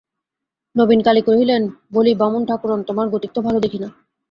নবীনকালী কহিলেন, বলি বামুন-ঠাকরুন, তোমার গতিক তো ভালো দেখি না।